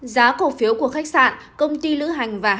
giá cổ phiếu của khách sạn công ty lưu hành và hãng hàng